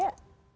perlu tidak sih